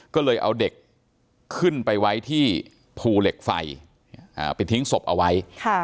ก็เลยเอาเด็กขึ้นไปไว้ที่ภูเหล็กไฟไปทิ้งศพเอาไว้